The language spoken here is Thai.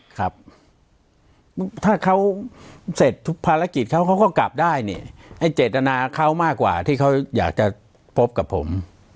ครับถ้าเขาเสร็จทุกภารกิจเขาเขาก็กลับได้เนี่ยไอ้เจตนาเขามากกว่าที่เขาอยากจะพบกับผม